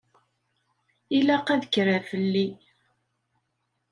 Ilaq ad kkreɣ fell-i.